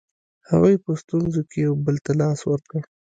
هغوی په ستونزو کې یو بل ته لاس ورکړ.